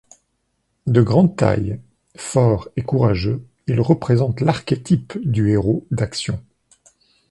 De grande taille, fort et courageux, il représente l'archétype du héros d'action.